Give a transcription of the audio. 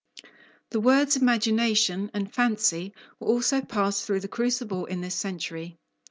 The words "imagination" and "fancy" were also passed through the crucible in this century.